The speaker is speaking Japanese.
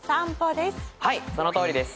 はいそのとおりです。